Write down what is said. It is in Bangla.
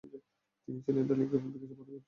তিনি ছিলেন টেলিগ্রাফি বিকাশের প্রধান ব্যক্তিত্ব।